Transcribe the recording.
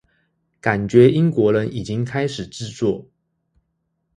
感覺英國人已經開始製作